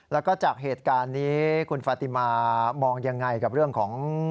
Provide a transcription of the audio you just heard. แล้วก็จากเหตุการณ์นี้คุณฟาติมามองยังไงกับเรื่องของ